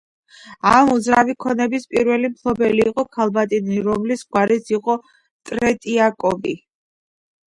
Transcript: ამ უძრავი ქონების პირველი მფლობელები იყო ქალბატონი, რომლის გვარიც იყო ტრეტიაკოვი.